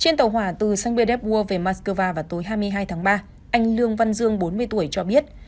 trên tàu hỏa từ spedevur về moscow vào tối hai mươi hai tháng ba anh lương văn dương bốn mươi tuổi cho biết